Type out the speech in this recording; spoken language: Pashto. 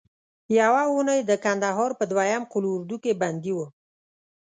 یوه اونۍ د کندهار په دوهم قول اردو کې بندي وم.